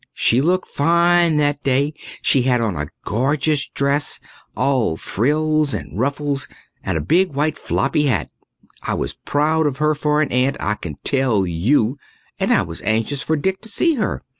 She looked fine that day. She had on a gorgeous dress, all frills and ruffles, and a big white floppy hat. I was proud of her for an aunt, I can tell you, and I was anxious for Dick to see her.